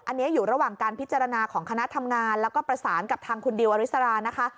อันนี้อยู่ระหว่างการพิจารณาของคณะทำงานแล้วก็ประสานกับทางคุณดิวอริสรานะคะ